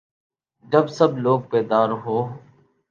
جب سب لوگ بیدار ہو